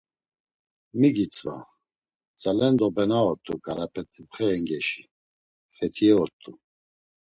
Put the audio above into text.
Mi gitzva; tzalendo bena ort̆u, K̆arap̌et̆ipxe yengeşi… Fetiye ort̆u.